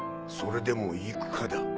それでも行くかだ。